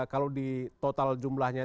kalau di total jumlahnya